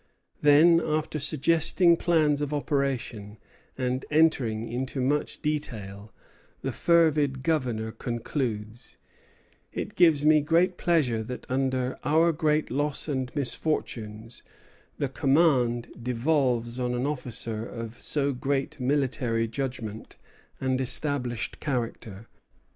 Then, after suggesting plans of operation, and entering into much detail, the fervid Governor concludes: "It gives me great pleasure that under our great loss and misfortunes the command devolves on an officer of so great military judgment and established character.